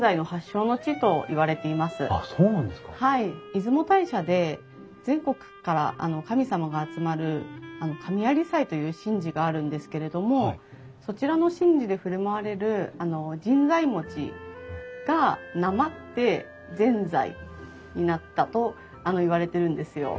出雲大社で全国から神様が集まる神在祭という神事があるんですけれどもそちらの神事で振る舞われる神在餅がなまってぜんざいになったといわれてるんですよ。